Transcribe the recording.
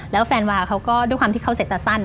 แล้วแฟนวาเขาก็ด้วยความที่เขาเสร็จตาสั้น